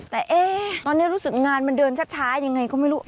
แต่ตอนนี้รู้สึกงานมันเดินช้ายังไงก็ไม่รู้